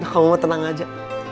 kamu mau tenang aja